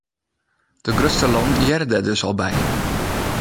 De grutste lannen hearre dêr dus al by.